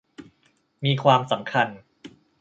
มีความสำคัญ